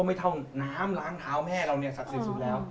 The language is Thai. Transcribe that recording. ก็ไม่เท่าน้ำล้างเท้าแม่เรานี่สักสิทธิสุดแล้ว